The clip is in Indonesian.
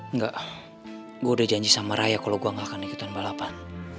enggak gue udah janji sama ray ya kalo gue gak akan ikutan balapan